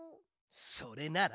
それなら。